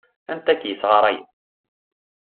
Anta ay k-yessɣarayen?